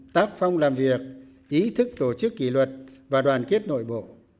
tác phong làm việc ý thức tổ chức kỷ luật và đoàn kết nội bộ